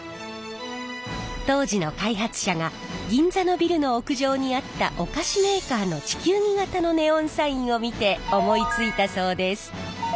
当時の開発者が銀座のビルの屋上にあったお菓子メーカーの地球儀型のネオンサインを見て思いついたそうです。